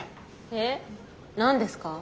えっ何ですか？